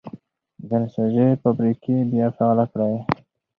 د نساجۍ فابریکې بیا فعالې کړئ.